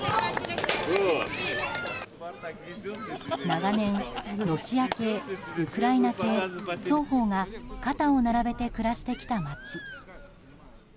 長年、ロシア系ウクライナ系、双方が肩を並べて暮らしてきた町。